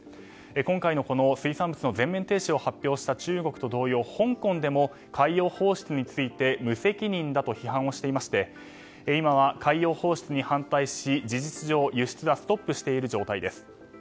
今回のこの水産物の全面停止を発表した中国と同様香港でも海洋放出について無責任だと批判をしていまして今は海洋放出に反対し事実上輸出がストップしている状態です。